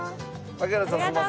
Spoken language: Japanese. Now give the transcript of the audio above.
ありがとうございます。